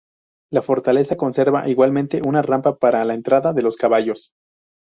La fortaleza conserva igualmente una rampa para la entrada de los caballos.